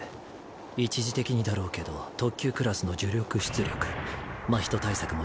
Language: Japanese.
一時的にだろうけど特級クラスの呪力出力。